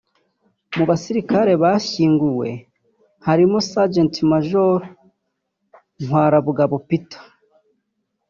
Mu basirikare bashyinguwe harimo Sgt Major Ntwarabugabo Peter